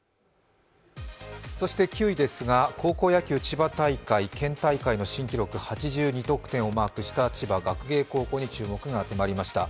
９位ですが、高校野球千葉大会、県大会の新記録、８２得点をマークした千葉学芸高校に注目が集まりました。